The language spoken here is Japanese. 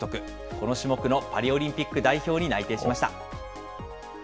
この種目のパリオリンピック代表に内定しました。